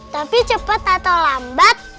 tapi cepet atau lambat